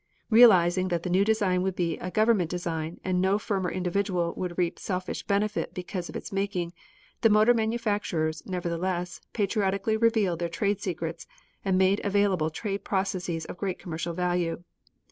Realizing that the new design would be a government design and no firm or individual would reap selfish benefit because of its making, the motor manufacturers, nevertheless, patriotically revealed their trade secrets and made available trade processes of great commercial value.